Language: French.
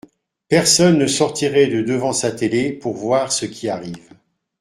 personne ne sortirait de devant sa télé pour voir ce qui arrive.